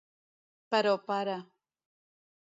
Però pare...